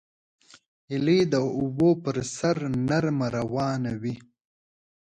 هیلۍ د اوبو پر سر نرمه روانه وي